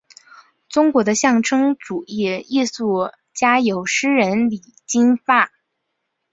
中国的象征主义艺术家有诗人李金发。